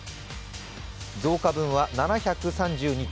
増加分は７３２ｔ。